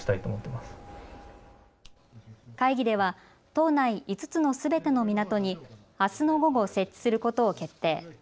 会議では島内５つのすべての港にあすの午後、設置することを決定。